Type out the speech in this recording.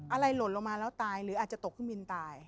หล่นลงมาแล้วตายหรืออาจจะตกเครื่องบินตาย